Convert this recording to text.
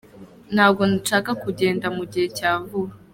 Ntabwo nshaka kugenda mu gihe cya vuba.